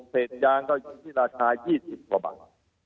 เศษยางก็อยู่ที่ราคา๒๐บาท